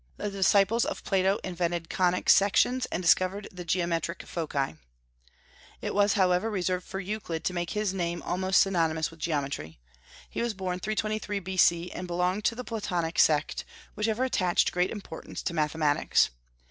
The disciples of Plato invented conic sections, and discovered the geometrical foci. It was however reserved for Euclid to make his name almost synonymous with geometry. He was born 323 B.C., and belonged to the Platonic sect, which ever attached great importance to mathematics.